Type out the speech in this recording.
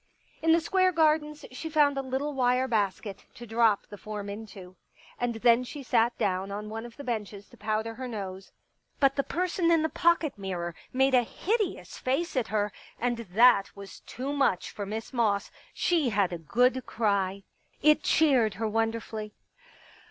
In the Square Gardens she found a little wire basket to drop the form into. And then she sat down on one of the benches to powder her nose. But the person in the pocket mirror made a hideous face at her, and that was too much for Miss Moss ; she had a good cry. It cheered her wonder fully.